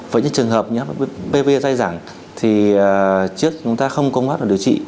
với những trường hợp như hpv dài dẳng thì trước chúng ta không có pháp để điều trị